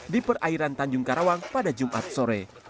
di perairan tanjung karawang pada jumat sore